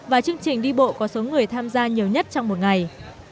và chương trình đi bộ có số người tham gia nhiều nhất trong một ngày